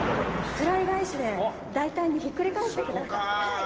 フライ返しで大胆にひっくり返してください。